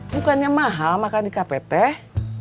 bukannya mahal makan di kafe teh